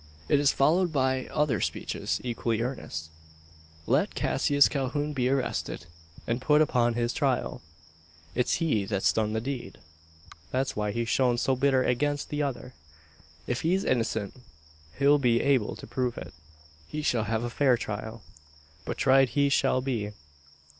It is followed by other speeches equally earnest: "Let Cassius Calhoun be arrested, and put upon his trial! It's he that's done the deed! That's why he's shown so bitter against the other! If he's innocent, he'll be able to prove it. He shall have a fair trial; but tried he shall be.